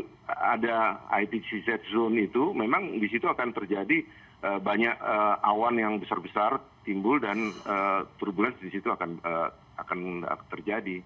kalau ada itc zone itu memang di situ akan terjadi banyak awan yang besar besar timbul dan turbulensi di situ akan terjadi